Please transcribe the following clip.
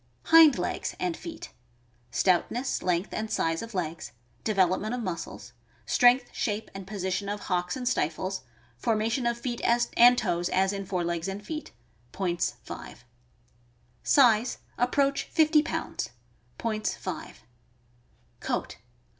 Hind legs and feet. — Stoutness, length, and size of legs; development of muscles; strength, shape, and position of hocks and stifles; formation of feet and toes, as in fore legs and feet. Points, 5. Size. — Approach fifty pounds. Points, 5. Coat.